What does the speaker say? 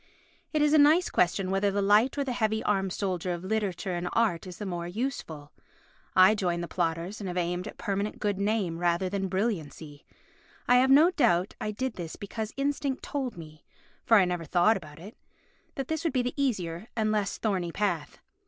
It is a nice question whether the light or the heavy armed soldier of literature and art is the more useful. I joined the plodders and have aimed at permanent good name rather than brilliancy. I have no doubt I did this because instinct told me (for I never thought about it) that this would be the easier and less thorny path.